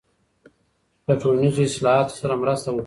له ټولنیزو اصلاحاتو سره مرسته وکړئ.